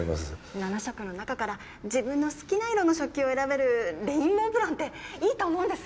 ７色の中から自分の好きな色の食器を選べるレインボープランっていいと思うんです！